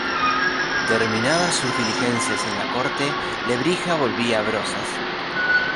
Terminadas sus diligencias en la Corte, Lebrija volvía a Brozas.